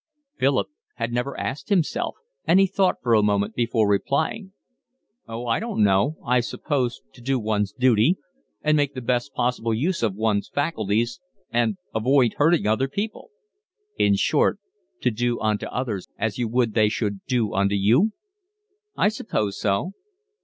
Philip had never asked himself, and he thought for a moment before replying. "Oh, I don't know: I suppose to do one's duty, and make the best possible use of one's faculties, and avoid hurting other people." "In short, to do unto others as you would they should do unto you?" "I suppose so."